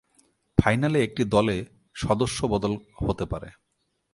ফাইনালে একটি দলে সদস্য বদল হতে পারে।